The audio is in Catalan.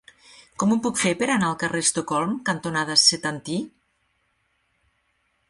Com ho puc fer per anar al carrer Estocolm cantonada Setantí?